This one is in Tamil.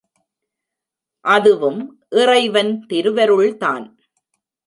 அதுவும் இறைவன் திருவருள்தான்.